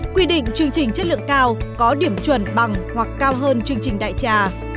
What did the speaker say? quy định chương trình chất lượng cao có điểm chuẩn bằng hoặc cao hơn chương trình đại trà